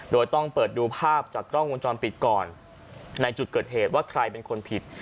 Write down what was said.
โดยต้องเปิดดูภาพจากกล้องวงจรปิดก่อนในจุดเกิดเหตุว่าใครเป็นคนผิด